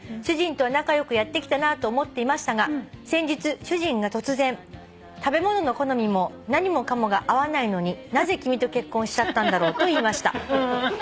「主人とは仲良くやってきたなと思っていましたが先日主人が突然『食べ物の好みも何もかもが合わないのになぜ君と結婚しちゃったんだろう』と言いました」